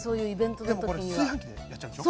でもこれ炊飯器でやっちゃうんでしょ？